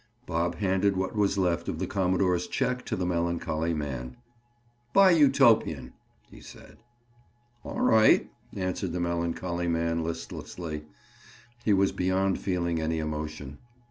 Bob handed what was left of the commodore's check to the melancholy man. "Buy Utopian," he said. "All right," answered the melancholy man listlessly. He was beyond feeling any emotion.